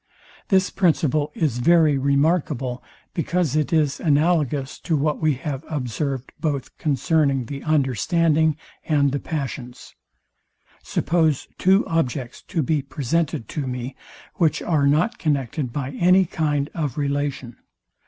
This principle is very remarkable, because it is analogous to what we have observed both concerning the understanding and the passions. Suppose two objects to be presented to me, which are not connected by any kind of relation.